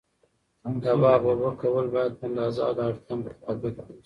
د باغ اوبه کول باید په اندازه او د اړتیا مطابق و سي.